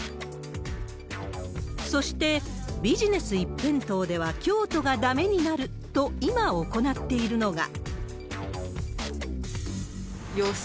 そして、ビジネス一辺倒では京都がだめになると今、行っているのが。